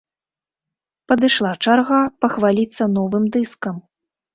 Падышла чарга пахваліцца новым дыскам.